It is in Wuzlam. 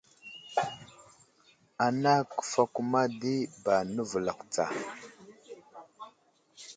Ana kəfakuma di ba nəvəlakw tsa.